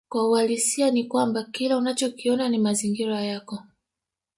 Kwa uhalisia ni kwamba kila unachokiona ni mazingira yako